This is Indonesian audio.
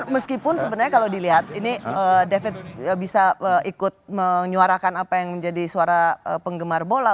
meskipun sebenarnya kalau dilihat ini david bisa ikut menyuarakan apa yang menjadi suara penggemar bola